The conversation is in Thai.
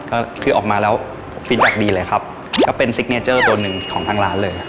ก็คือออกมาแล้วฟิตแบ็คดีเลยครับก็เป็นซิกเนเจอร์ตัวหนึ่งของทางร้านเลย